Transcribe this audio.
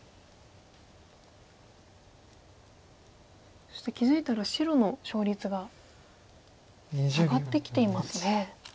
そして気付いたら白の勝率が上がってきていますね。